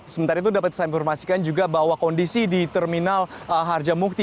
sementara itu dapat saya informasikan juga bahwa kondisi di terminal harjamukti